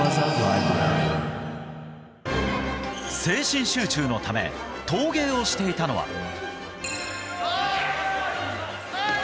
精神集中のため陶芸をしていたのは。